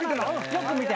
よく見て。